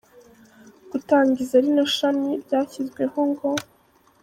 gutangiza rino shami, ryashyizweho ngo.